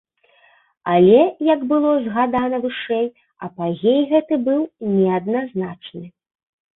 Але, як было згадана вышэй, апагей гэты быў неадназначны.